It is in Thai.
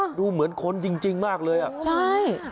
หนูเหมือนคนจริงจริงมากเลย